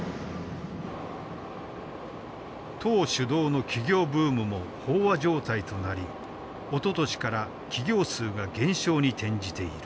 党主導の起業ブームも飽和状態となりおととしから企業数が減少に転じている。